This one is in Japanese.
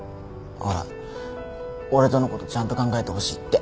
ほら俺とのことちゃんと考えてほしいって。